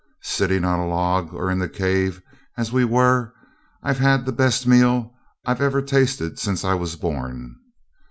Sitting on a log, or in the cave, as we were, I've had the best meal I've ever tasted since I was born.